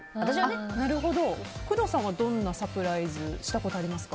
工藤さんはどんなサプライズをしたことありますか？